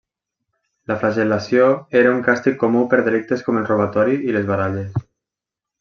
La flagel·lació era un càstig comú per delictes com el robatori i les baralles.